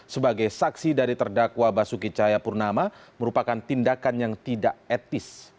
sebagai saksi dari terdakwa basuki cahayapurnama merupakan tindakan yang tidak etis